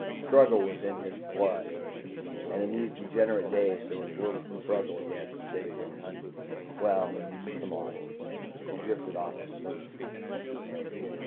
Struggle was in his blood, and in these degenerate days there was little to struggle against save what he hunted. Well tomorrow he drifted off to sleep.